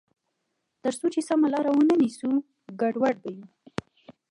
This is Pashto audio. تر څو چې سمه لار ونه نیسو، ګډوډ به یو.